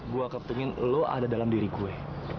gua kepengen lu ada dalam diri gue